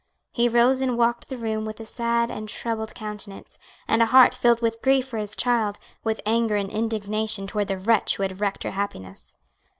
He rose and walked the room with a sad and troubled countenance, and a heart filled with grief for his child, with anger and indignation toward the wretch who had wrecked her happiness.